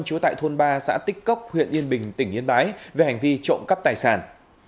trú tại thôn ba xã tích cốc huyện yên bình tỉnh yên bái về hành vi trộm cắp tài sản